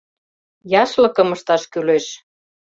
Яшлыкым ышташ кӱлеш.